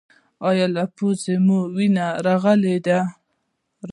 ایا له پوزې مو وینه راغلې ده؟